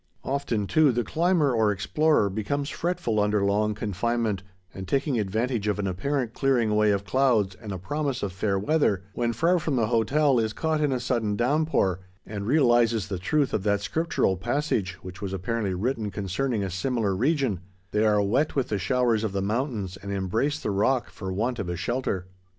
Often, too, the climber or explorer becomes fretful under long confinement, and, taking advantage of an apparent clearing away of clouds and a promise of fair weather, when far from the hotel, is caught in a sudden downpour, and realizes the truth of that scriptural passage which was apparently written concerning a similar region—"They are wet with the showers of the mountains, and embrace the rock for want of a shelter."